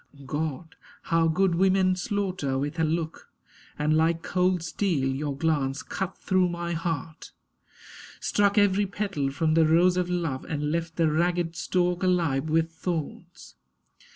God! how good women slaughter with a look! And, like cold steel, your glance cut through my heart, Struck every petal from the rose of love And left the ragged stalk alive with thorns.